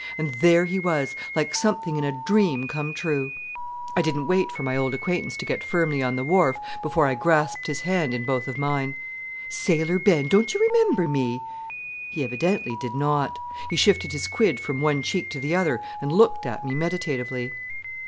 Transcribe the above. And there he was, like something in a dream come true! I didn't wait for my old acquaintance to get firmly on the wharf, before I grasped his hand in both of mine. "Sailor Ben, don't you remember me?" He evidently did not. He shifted his quid from one cheek to the other, and looked at me meditatively.